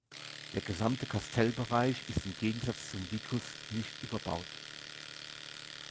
Der gesamte Kastellbereich ist im Gegensatz zum Vicus nicht überbaut.